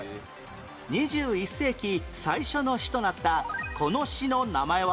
２１世紀最初の市となったこの市の名前は？